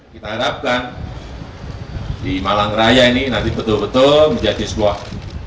kita harapkan di malang raya ini nanti betul betul menjadi sebuah